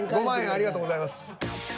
５万円ありがとうございます。